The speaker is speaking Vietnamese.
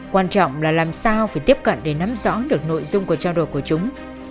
quan trọng là làm sao phải tiếp cận để nắm rõ được nội dung của trao đổi của chúng